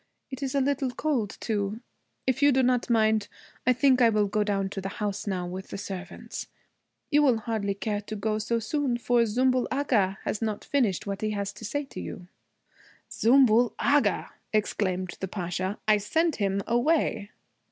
It is a little cold, too. If you do not mind, I think I will go down to the house now, with the servants. You will hardly care to go so soon, for Zümbül Agha has not finished what he has to say to you.' 'Zümbül Agha!' exclaimed the Pasha. 'I sent him away.'